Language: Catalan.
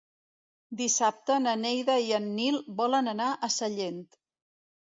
Dissabte na Neida i en Nil volen anar a Sallent.